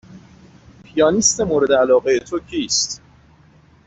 پیانیست مورد علاقه تو کیست؟